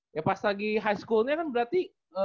ya pas lagi sekolah putar itu kan berarti